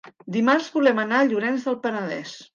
Dimarts volem anar a Llorenç del Penedès.